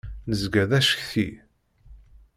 Nezga d acetki.